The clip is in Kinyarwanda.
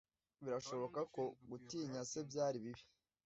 Birashoboka ko gutinya se byari bibi.